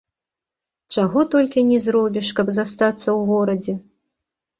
Чаго толькі ні зробіш, каб застацца ў горадзе!